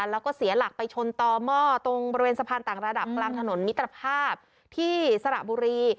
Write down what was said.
แล้วก็เสียหลักไปชนต่อหม้อตรงบริเวณสะพานต่างระดับกลางถนนมิตรภาพที่สระบุรี